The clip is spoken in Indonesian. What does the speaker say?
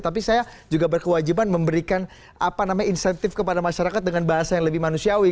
tapi saya juga berkewajiban memberikan insentif kepada masyarakat dengan bahasa yang lebih manusiawi